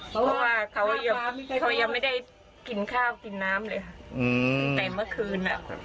เพราะว่าเขายังไม่ได้กินข้าวกินน้ำเลยค่ะแต่เมื่อคืนอ่ะ